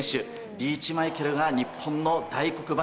リーチマイケルが日本の大黒柱。